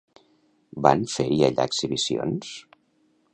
Van fer-hi allà exhibicions?